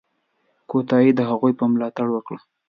کودتا یې د هغوی په ملاتړ وکړه.